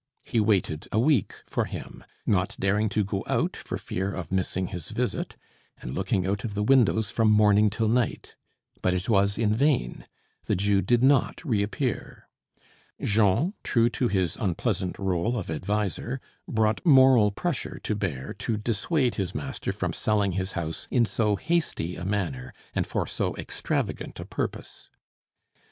He waited a week for him, not daring to go out for fear of missing his visit, and looking out of the windows from morning till night. But it was in vain; the Jew did not reappear. Jean, true to his unpleasant rôle of adviser, brought moral pressure to bear to dissuade his master from selling his house in so hasty a manner and for so extravagant a purpose.